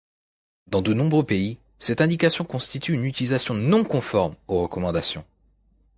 Dans de nombreux pays cette indication constitue une utilisation non conforme aux recommandations.